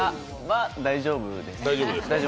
大丈夫です。